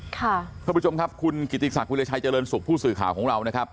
ท่านผู้ชมครับคุณกิติศักดิราชัยเจริญสุขผู้สื่อข่าวของเรานะครับ